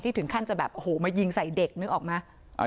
ถึงขั้นจะแบบโอ้โหมายิงใส่เด็กนึกออกไหม